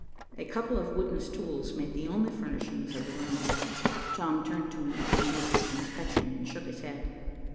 A couple of wooden stools made the only furnishings of the room. Tom turned to me at the end of his inspection and shook his head.